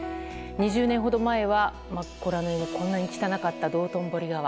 ２０年ほど前はこんなに汚かった道頓堀川。